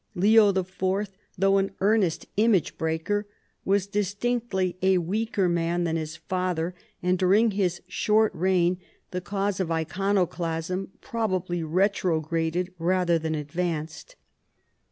Leo IV., though an earnest image breaker, was distinctly a weaker man than his father, and during his short reign the cause of Iconoclasm prob ably retrograded rather than advanced.